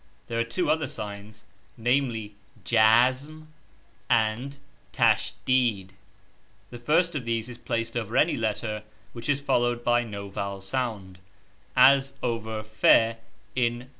There are two other signs, namely () djazm, and () tashdeed. The first of these is placed over any letter which is followed by no vowel sound, as over \ in ^^J.